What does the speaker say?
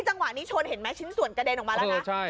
จังหวะนี้ชนเห็นไหมชิ้นส่วนกระเด็นออกมาแล้วนะ